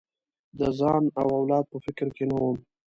د ځان او اولاد په فکر کې نه وم.